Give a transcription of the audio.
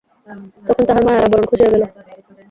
তখন তাহার মায়ার আবরণ খসিয়া গেল।